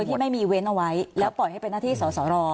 ที่ไม่มีเว้นเอาไว้แล้วปล่อยให้เป็นหน้าที่สอสอรอ